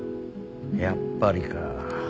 やっぱりか。